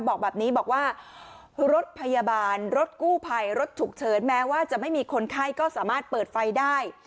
บอกแบบนี้บอกว่ารถพยาบาลรถกู้ภัยรถฉุกเฉินแม้ว่าจะไม่มีคนไข้ก็สามารถเปิดไฟได้